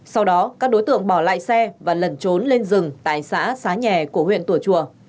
sau đó các đối tượng bỏ lại xe và lẩn trốn lên rừng tại xã xá nhà của huyện tùa chùa